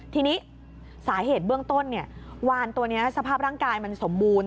ทีนี้สาเหตุเบื้องต้นวานตัวนี้สภาพร่างกายมันสมบูรณ